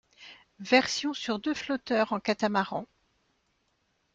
Version sur deux flotteurs en catamaran.